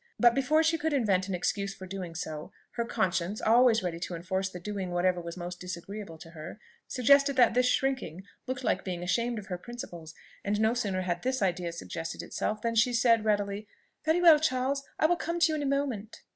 But before she could invent an excuse for doing so, her conscience, always ready to enforce the doing whatever was most disagreeable to her, suggested that this shrinking looked like being ashamed of her principles; and no sooner had this idea suggested itself, than she said readily, "Very well, Charles; I will come to you in a moment."